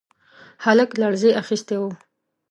هلک لړزې اخيستی و.